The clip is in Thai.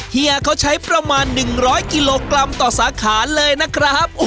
เฮียเขาใช้ประมาณ๑๐๐กิโลกรัมต่อสาขาเลยนะครับ